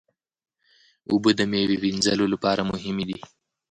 اوبه د میوې وینځلو لپاره مهمې دي.